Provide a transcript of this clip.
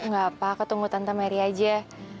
gak apa aku tunggu tante meri aja